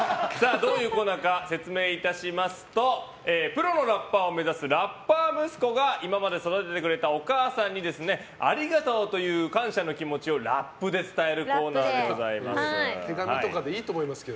どういうコーナーか説明いたしますとプロのラッパーを目指すラッパー息子が今まで育ててくれたお母さんにありがとうという感謝の気持ちをラップで伝えるコーナーでございます。